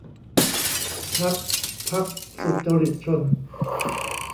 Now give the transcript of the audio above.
พรรคพรรคสุจริตชน